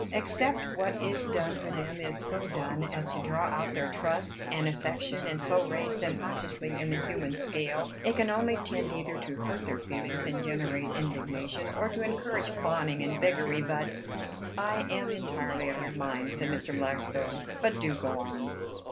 Except what is done for them is so done as to draw out their trust and affection, and so raise them consciously in the human scale, it can only tend either to hurt their feelings and generate indignation, or to encourage fawning and beggary. But" "I am entirely of your mind," said Mr. Blackstone. "But do go on."